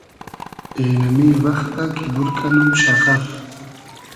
اېنئمی وئختۂ کی بور کئنوم شئغئب